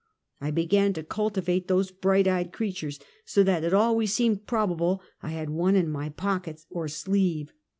I began to cultivate those bright eyed creatures, so that it always seemed probable I had one in my pocket or sleeve.